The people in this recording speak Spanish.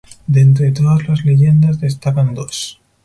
De entre todas las leyendas destacan dos.